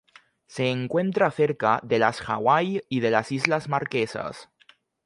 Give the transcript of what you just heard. Se encuentra cerca de las Hawaii y de las Islas Marquesas.